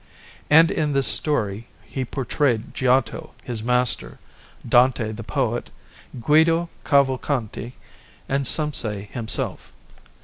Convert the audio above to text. And in this story he portrayed Giotto his master, Dante the poet, Guido Cavalcanti, and, some say, himself.